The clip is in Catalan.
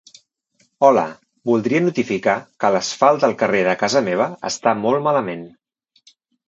Hola, voldria notificar que l'asfalt del carrer de casa meva està molt malament.